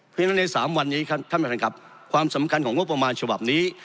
เพราะฉะนั้นใน๓วันนี้ครับท่านประธานครับความสำคัญของงบประมาณฉบับนี้